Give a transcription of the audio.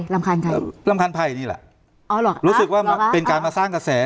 รำคาญใครรำคาญภัยนี่แหละอ๋อเหรอรู้สึกว่าเป็นการมาสร้างกระแส